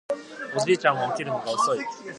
おじいちゃんは起きるのが遅い